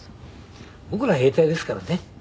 僕らは兵隊ですからね。